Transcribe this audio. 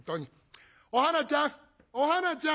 お花ちゃんお花ちゃん！